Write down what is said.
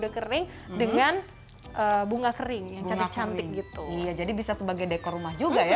kering dengan bunga kering yang cantik cantik gitu iya jadi bisa sebagai dekor rumah juga ya